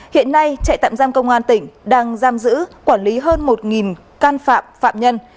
hiện nay trại tạm giam công an tỉnh đang giam giữ quản lý hơn một can phạm phạm nhân